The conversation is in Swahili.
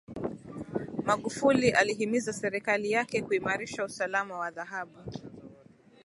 magufuli alihimiza serikali yake kuimarisha usalama wa dhahabu